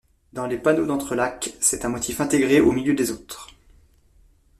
Dans les panneaux d'entrelacs, c'est un motif intégré au milieu des autres.